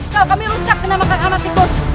salah kami rusak kena makan anak tikus